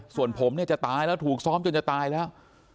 ส่วนผมเนี่ยจะตายแล้วถูกซ้อมจนจะตายแล้ว